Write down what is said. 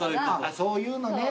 そういうのね。